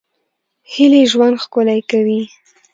هیلې ژوند ښکلی کوي